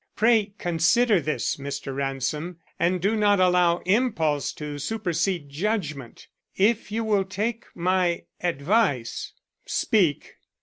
Pray consider this, Mr. Ransom, and do not allow impulse to supersede judgment. If you will take my advice " "Speak."